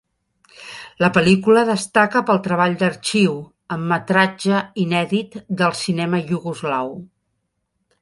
La pel·lícula destaca pel treball d'arxiu, amb metratge inèdit, del cinema iugoslau.